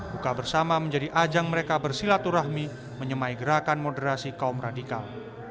buka bersama menjadi ajang mereka bersilaturahmi menyemai gerakan moderasi kaum radikal